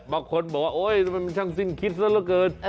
บางคนบอกว่ามันใช้ชั้นสิ้นคิดซะมันเกิน